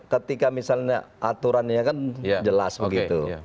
ketika misalnya aturannya kan jelas begitu